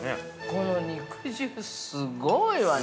◆この肉汁すごいわね。